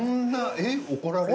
えっ怒られる？